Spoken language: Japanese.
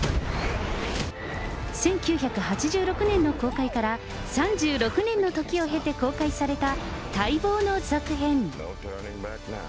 １９８６年の公開から、３６年の時を経て公開された待望の続編。